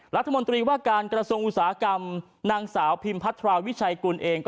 รัฐมนตรีว่าการกระทรวงอุตสาหกรรมนางสาวพิมพัทราวิชัยกุลเอง